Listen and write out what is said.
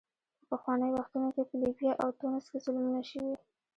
په پخوانیو وختونو کې په لیبیا او تونس کې ظلمونه شوي.